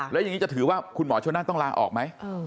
แล้วอย่างนี้จะถือว่าคุณหมอชนนั่นต้องลาออกไหม